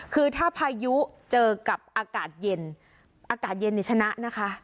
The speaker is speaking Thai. คือถ้าพายุเจอกับอากาศเย็นอากาศเย็นนี่ชนะนะคะ